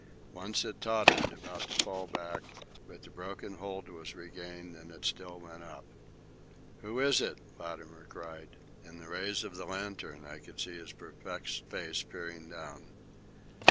Once it tottered, about to fall back, but the broken hold was regained and it still went up. "Who is it?" Latimer cried. In the rays of the lantern I could see his perplexed face peering down.